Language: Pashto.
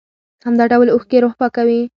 همدا ډول اوښکې روح پاکوي.